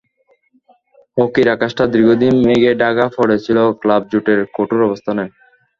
হকির আকাশটা দীর্ঘদিন মেঘে ঢাকা পড়ে ছিল ক্লাব জোটের কঠোর অবস্থানে।